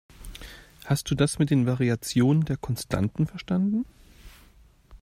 Hast du das mit der Variation der Konstanten verstanden?